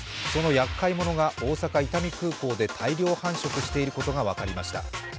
そのやっかい者が大阪伊丹空港で大量繁殖していることが分かりました。